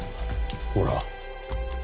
ほら。